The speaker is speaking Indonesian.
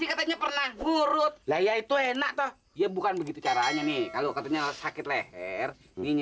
katanya pernah ngurut lah ya itu enak toh ya bukan begitu caranya nih kalau katanya sakit leher ini